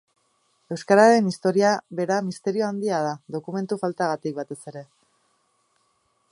Euskararen historia bera misterio handia da, dokumentu faltagatik, batez ere.